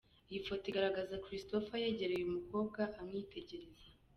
Iyi foto igaragaza Christopher yegereye uyu mukobwa amwitegereza.